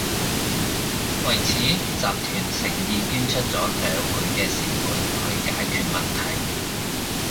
為此，集團誠意捐出咗兩倍嘅善款去解決問題